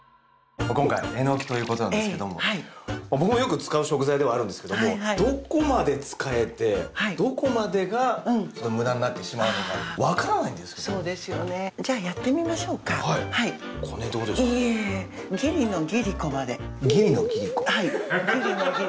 今回えのきということなんですけれども僕もよく使う食材ではあるんですけどもどこまで使えてどこまでがムダになってしまうのか分からないんですけどそうですよねじゃあやってみましょうかはいはいいいえはいギリのギリコ